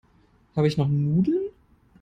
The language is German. Habe ich noch Nudeln?